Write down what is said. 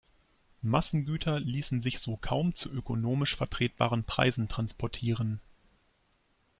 Massengüter ließen sich so kaum zu ökonomisch vertretbaren Preisen transportieren.